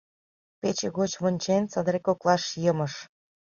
Пече гоч вончен, садер коклаш йымыш.